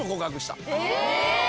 え！